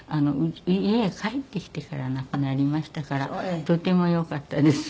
家へ帰ってきてから亡くなりましたからとてもよかったです。